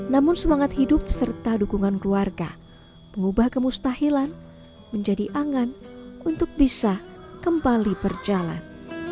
namun semangat hidup serta dukungan keluarga mengubah kemustahilan menjadi angan untuk bisa kembali berjalan